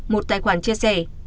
một tài khoản chia sẻ